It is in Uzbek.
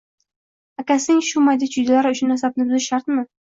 Akasining Shu mayda-chuydalar uchun asabni buzish shartmi